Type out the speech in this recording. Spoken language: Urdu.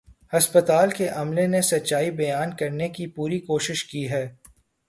ہسپتال کے عملے نے سچائی بیان کرنے کی پوری کوشش کی ہے